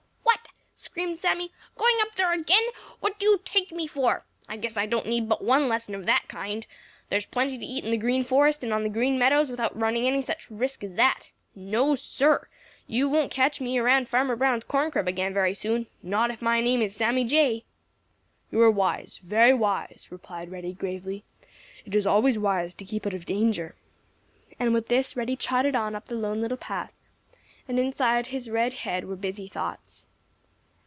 "What?" screamed Sammy. "Going up there again? What do you take me for? I guess I don't need but one lesson of that kind. There's plenty to eat in the Green Forest and on the Green Meadows without running any such risk as that. No, Sir, you won't catch me around Farmer Brown's corn crib again very soon. Not if my name is Sammy Jay!" "You are wise, very wise," replied Reddy gravely. "It is always wise to keep out of danger." And with this Reddy trotted on up the Lone Little Path, and inside his red head were busy thoughts.